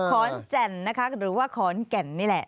ขอนเจนหรือว่าขอนแก่นนี่แหละ